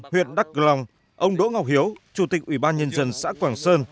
huyện đắk long ông đỗ ngọc hiếu chủ tịch ủy ban nhân dân xã quảng sơn